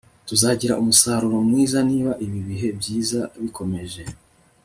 tuzagira umusaruro mwiza niba ibi bihe byiza bikomeje